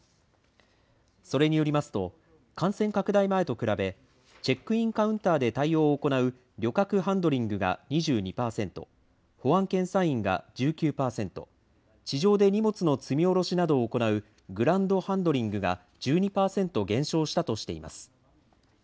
それによりますと、感染拡大前と比べ、チェックインカウンターで対応を行う旅客ハンドリングが２２％、保安検査員が１９％、地上で荷物の積み降ろしなどを行うグランドハンドリングが１２％減少したとしています。